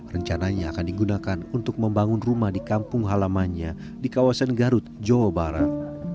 rencananya akan digunakan untuk membangun rumah di kampung halamannya di kawasan garut jawa barat